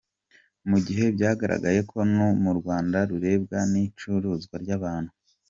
Mu gihe byagaragaye ko n’u Rwanda rurebwa n’icuruzwa ry’abantu, .